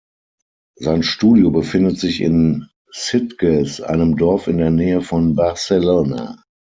Sein Studio befindet sich in Sitges, einem Dorf in der Nähe von Barcelona.